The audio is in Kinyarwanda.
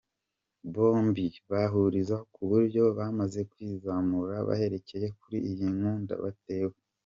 Bombi bahuriza ku buryo bamaze kwizamura bahereye kuri iyi nkunga batewe.